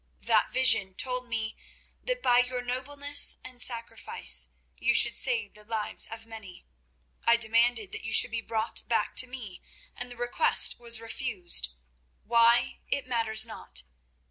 That vision told me that by your nobleness and sacrifice you should save the lives of many. I demanded that you should be brought back to me, and the request was refused—why, it matters not.